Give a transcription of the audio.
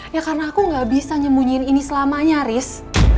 ya karena aku gak bisa nyembunyiin ini selamanya ris